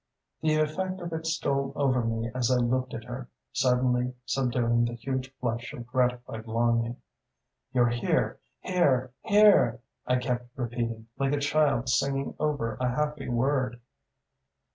"The effect of it stole over me as I looked at her, suddenly subduing the huge flush of gratified longing. "'You're here, here, here!' I kept repeating, like a child singing over a happy word.